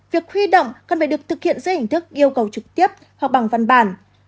việc huy động cần phải được thực hiện dưới hình thức yêu cầu trực tiếp hoặc bằng văn bản